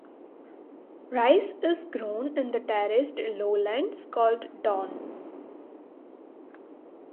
Rice is grown in the terraced lowlands called "don".